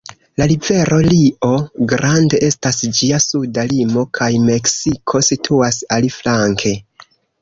La rivero Rio Grande estas ĝia suda limo, kaj Meksiko situas aliflanke.